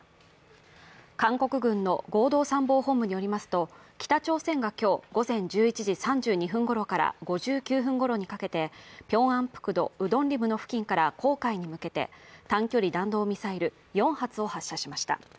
韓国軍の合同参謀本部によりますと、北朝鮮が今日午前１１時３２分ごろから５９分ごろにかけてピョンヤンプクド・ドンリムの付近から黄海に向けて短距離弾道ミサイル４発を発射しました。